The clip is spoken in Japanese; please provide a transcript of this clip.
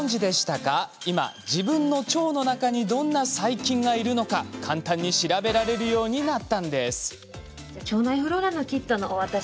今自分の腸の中にどんな細菌がいるのか簡単に調べられるようになったんです